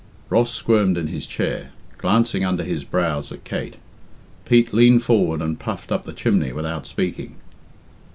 Ross squirmed in his chair, glancing under his brows at Kate. Pete leaned forward and puffed up the chimney without speaking.